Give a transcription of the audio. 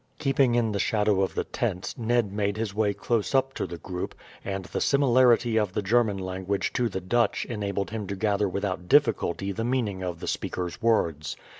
Keeping in the shadow of the tents, Ned made his way close up to the group, and the similarity of the German language to the Dutch enabled him to gather without difficulty the meaning of the speaker's words.